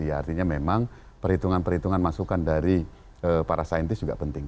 artinya memang perhitungan perhitungan masukan dari para saintis juga penting